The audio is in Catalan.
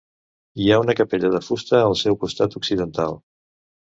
Hi ha una capella de fusta al seu costat occidental.